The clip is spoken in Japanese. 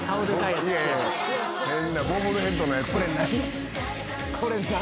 変なボブルヘッドのやつ。